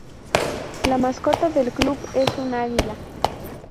La mascota del club es un águila.